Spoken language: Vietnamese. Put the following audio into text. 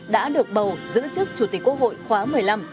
đã được bầu giữ chức chủ tịch quốc hội khóa một mươi năm